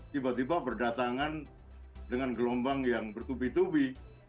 tiba tiba berdatangan dengan gelombang yang bertubi tubi